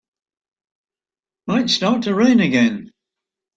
Might start to rain again.